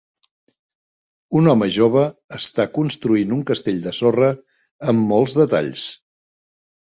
Un home jove està construint un castell de sorra amb molts detalls.